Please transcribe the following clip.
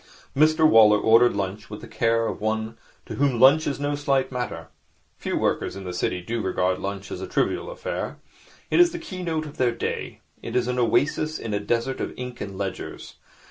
Mr Waller ordered lunch with the care of one to whom lunch is no slight matter. Few workers in the City do regard lunch as a trivial affair. It is the keynote of their day. It is an oasis in a desert of ink and ledgers.